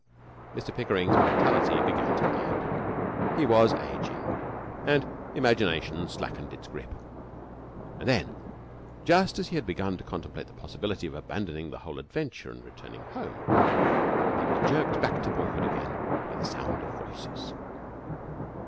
Mr Pickering's vitality began to ebb. He was ageing, and imagination slackened its grip. And then, just as he had begun to contemplate the possibility of abandoning the whole adventure and returning home, he was jerked back to boyhood again by the sound of voices.